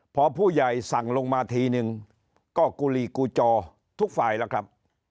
พอผู้ใหญ่สั่งลงมาทีนึงก็กุหลีกูจอทุกฝ่ายแล้วครับ